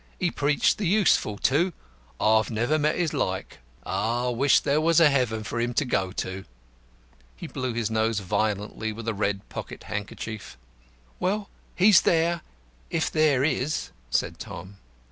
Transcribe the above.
He preached the Useful, too. I've never met his like. Ah, I wish there was a heaven for him to go to!" He blew his nose violently with a red pocket handkerchief. "Well, he's there, if there is," said Tom.